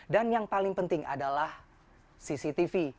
dan yang paling penting adalah cctv